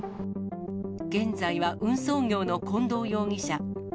現在は運送業の近藤容疑者。